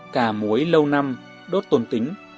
cà muối lâu năm đốt tồn tính